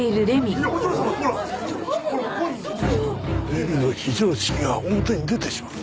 麗美の非常識が表に出てしまう。